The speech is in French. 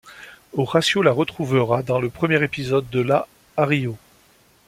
Horatio la retrouvera dans le premier épisode de la à Rio.